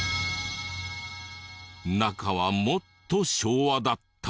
中はもっと昭和だった。